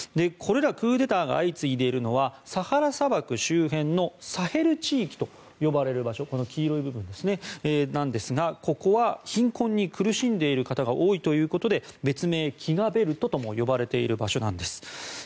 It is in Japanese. これらクーデターが相次いでいるのはサハラ砂漠周辺のサヘル地域と呼ばれる場所黄色い部分なんですがここは貧困に苦しんでいる方が多いということで別名、飢餓ベルトとも呼ばれている場所なんです。